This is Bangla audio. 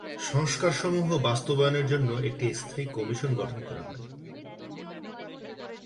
সংস্কারসমূহ বাস্তবায়নের জন্য একটি স্থায়ী কমিশন গঠন করা হয়।